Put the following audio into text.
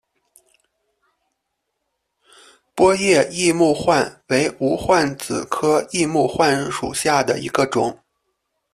波叶异木患为无患子科异木患属下的一个种。